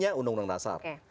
ya undang undang dasar